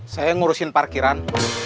saya ngurusin parkiran